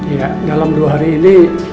ya dalam dua hari ini